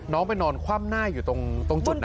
ไปนอนคว่ำหน้าอยู่ตรงจุดนะ